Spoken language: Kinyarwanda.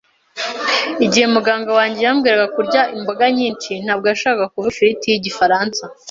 Igihe umuganga wanjye yambwiraga kurya imboga nyinshi, ntabwo yashakaga kuvuga ifiriti y Igifaransa.